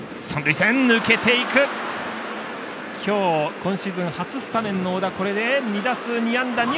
今日、今シーズン初スタメンの小田これで２打数２安打。